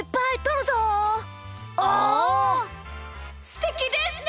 すてきですね！